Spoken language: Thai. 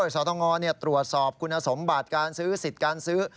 สตงตรวจสอบคุณสมบัติการซื้อสิทธิ์การซื้อ